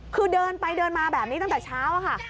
คือเดินไปเดินมาแบบนี้ตั้งแต่เช้าค่ะ